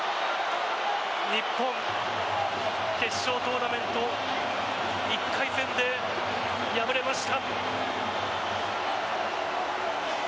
日本、決勝トーナメント１回戦で敗れました。